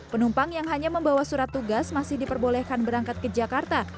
penumpang yang hanya membawa surat tugas masih diperbolehkan berangkat ke jakarta